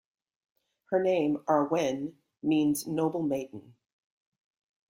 Her name "Ar-wen" means 'noble maiden'.